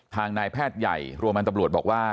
นายแพทย์ใหญ่รวมกันตำรวจบอกว่า